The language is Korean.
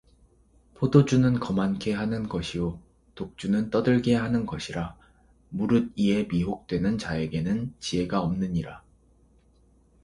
포도주는 거만케 하는 것이요 독주는 떠들게 하는 것이라 무릇 이에 미혹되는 자에게는 지혜가 없느니라